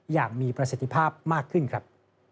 อย่างมีประสิทธิภาพมากขึ้นครับ